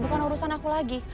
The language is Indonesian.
bukan urusan aku lagi